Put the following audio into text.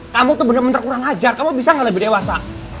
kamu tuh bener bener kurang ajar kamu bisa nggak lebih dewasa